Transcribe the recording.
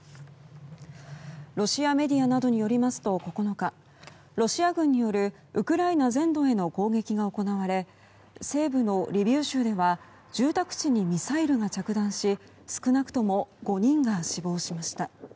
ロシアメディアなどによりますと９日ロシア軍によるウクライナ全土への攻撃が行われ西部のリビウ州では住宅地にミサイルが着弾し少なくとも５人が死亡しました。